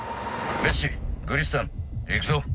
ベッシグリスタン行くぞ。